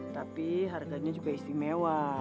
tapi harganya juga istimewa